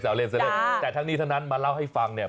เล่นแซวเล่นแต่ทั้งนี้ทั้งนั้นมาเล่าให้ฟังเนี่ย